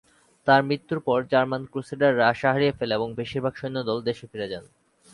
তার মৃত্যুর পর জার্মান ক্রুসেডাররা আশা হারিয়ে ফেলে এবং বেশিরভাগ সৈন্যদল দেশে ফিরে যান।